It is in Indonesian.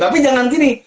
tapi jangan gini